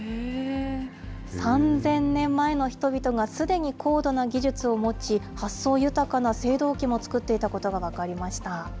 ３０００年前の人々がすでに高度な技術を持ち、発想豊かな青銅器も作っていたことが分かりました。